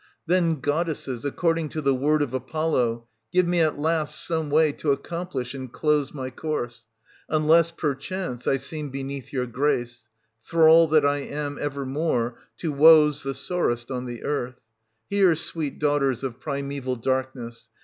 loo Then, goddesses, according to the word of Apollo, give me at last some way to accomplish and close my course, — unless, perchance, I seem beneath your grace, thrall that I am evermore to woes the sorest on the earth. Hear, sweet daughters of primeval Darkness